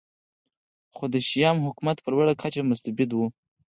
خو د شیام حکومت په لوړه کچه مستبد و